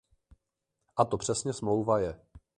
A to přesně smlouva je.